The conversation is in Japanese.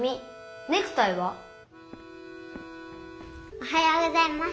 おはようございます。